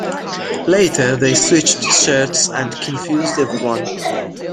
Later they switched shirts and confused everyone.